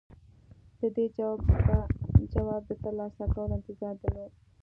ده د جواب د ترلاسه کولو انتظار درلود.